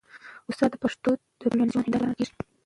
استاد د پښتنو د ټولنیز ژوند هنداره ګڼل کېږي.